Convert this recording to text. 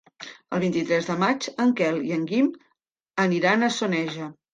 El vint-i-tres de maig en Quel i en Guim aniran a Soneja.